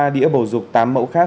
ba đĩa bầu dục tám mẫu khác